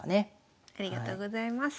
ありがとうございます。